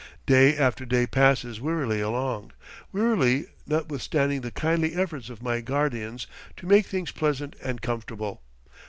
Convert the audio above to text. Day after day passes wearily along; wearily, notwithstanding the kindly efforts of my guardians to make things pleasant and comfortable.